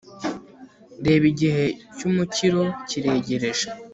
reba igihe cy'umukiro kiregereje